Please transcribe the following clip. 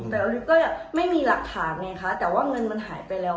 แต่อันนี้ก็ไม่มีหลักฐานไงคะแต่ว่าเงินมันหายไปแล้ว